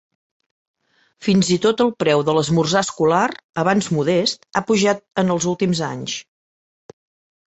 Fins i tot el preu de l'esmorzar escolar, abans modest, ha pujat en els últims anys.